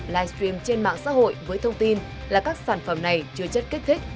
live stream trên mạng xã hội với thông tin là các sản phẩm này chứa chất kích thích